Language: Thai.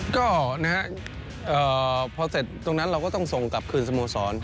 ก็นะฮะพอเสร็จตรงนั้นเราก็ต้องส่งกลับคืนสโมสร